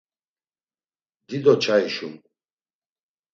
Dido çai şum.